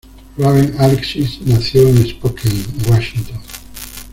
Raven Alexis nació en Spokane, Washington.